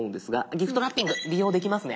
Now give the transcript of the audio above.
ギフトラッピング利用できますね。